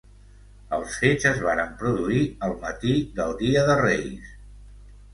Els fets es varen produir el matí del dia de reis.